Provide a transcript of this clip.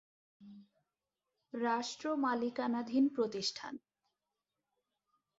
রাষ্ট্র-মালিকানাধীন প্রতিষ্ঠান